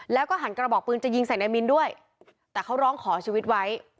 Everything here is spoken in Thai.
แล้วก็หันกระบอกปืนจะยิงใส่นายมินด้วยแต่เขาร้องขอชีวิตไว้